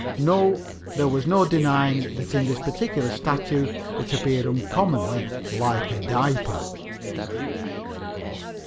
No, there was no denying that in this particular statue it appeared uncommonly like a diaper.